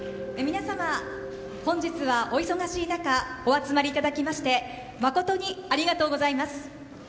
皆様、本日はお忙しい中お集まりいただきましてまことにありがとうございます。